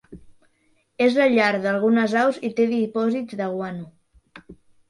És la llar d'algunes aus i té dipòsits de guano.